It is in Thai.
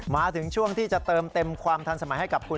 มาถึงช่วงที่จะเติมเต็มความทันสมัยให้กับคุณ